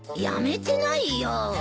やめてないよ。